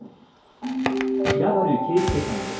平原圭介さんです。